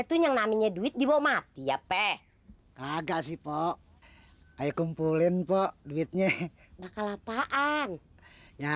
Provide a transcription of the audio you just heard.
itu yang namanya duit dibawa mati ya peh kagak sih pok kumpulin pok duitnya bakal apaan ya